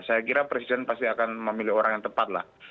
saya kira presiden pasti akan memilih orang yang tepat lah